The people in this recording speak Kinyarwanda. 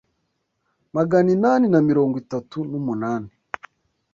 magana inani na mirongo itatu n’umunani